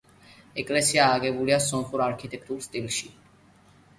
ეკლესია აგებულია სომხურ არქიტექტურულ სტილში.